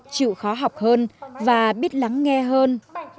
chịu khó học hơn và biết lắng nghe hơn